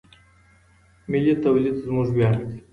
ملي توليد زموږ وياړ دی.